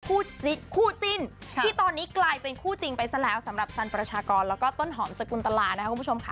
คู่จิ้นที่ตอนนี้กลายเป็นคู่จริงไปซะแล้วสำหรับสันประชากรแล้วก็ต้นหอมสกุลตลานะครับคุณผู้ชมค่ะ